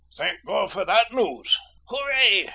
Thank God for that news!" "Hooray!"